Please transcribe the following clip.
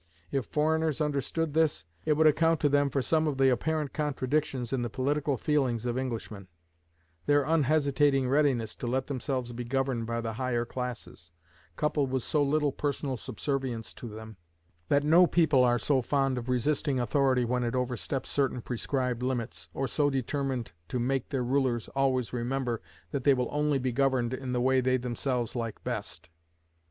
If foreigners understood this, it would account to them for some of the apparent contradictions in the political feelings of Englishmen; their unhesitating readiness to let themselves be governed by the higher classes, coupled with so little personal subservience to them, that no people are so fond of resisting authority when it oversteps certain prescribed limits, or so determined to make their rulers always remember that they will only be governed in the way they themselves like best.